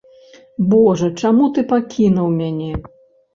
Божа, чаму ты пакінуў мяне?